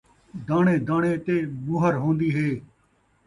داݨے داݨے تے مُہر ہون٘دی ہے